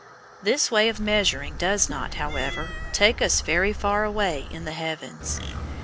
This way of measuring does not, however, take us very far away in the heavens.